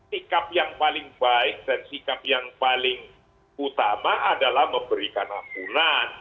sikap yang paling baik dan sikap yang paling utama adalah memberikan ampunan